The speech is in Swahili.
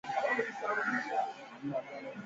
Bana niiba makuta niliacha pa meza